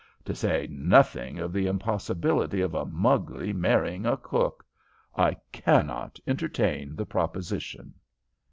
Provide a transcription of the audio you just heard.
To say nothing of the impossibility of a Mugley marrying a cook. I cannot entertain the proposition."